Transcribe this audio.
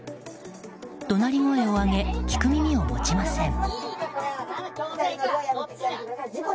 怒鳴り声を上げて聞く耳を持ちません。